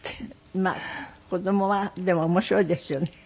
まあ子供はでも面白いですよね。